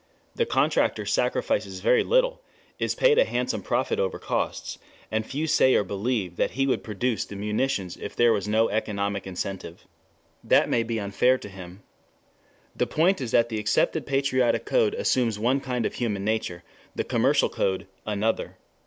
The contractor sacrifices very little, is paid a handsome profit over costs, and few say or believe that he would produce the munitions if there were no economic incentive. That may be unfair to him. The point is that the accepted patriotic code assumes one kind of human nature, the commercial code another.